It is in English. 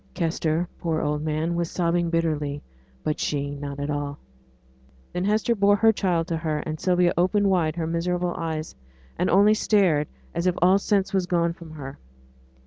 Kester, poor old man, was sobbing bitterly; but she not at all. Then Hester bore her child to her, and Sylvia opened wide her miserable eyes, and only stared, as if all sense was gone from her.